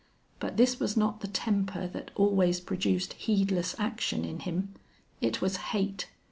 But this was not the temper that always produced heedless action in him. It was hate.